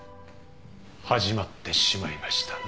始まってしまいましたね。